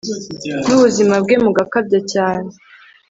nubuzima bwe mugakabya cyane